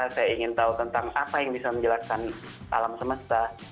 saya ingin tahu tentang apa yang bisa menjelaskan alam semesta